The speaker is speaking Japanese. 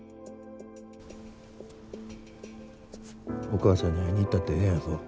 お母ちゃんに会いに行ったってええんやぞ。